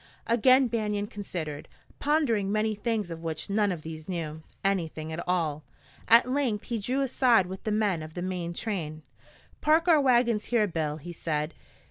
Again Banion considered, pondering many things of which none of these knew anything at all. At length he drew aside with the men of the main train. "Park our wagons here, Bill," he said.